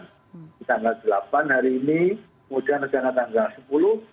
di tanggal delapan hari ini kemudian rencana tanggal sepuluh